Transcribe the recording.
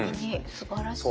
すばらしい。